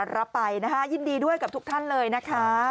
รับไปครับยินดีกับทุกท่านเลยนะคะ